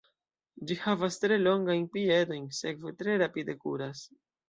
Ĝi havas tre longajn piedojn, sekve tre rapide kuras.